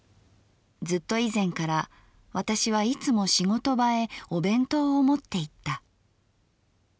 ずっと以前から私はいつも仕事場へお弁当を持っていった」。